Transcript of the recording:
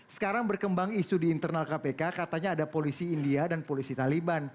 sekarang berkembang isu di internal kpk katanya ada polisi india dan polisi taliban